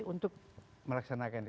untuk melaksanakan ini